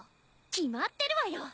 決まってるわよ。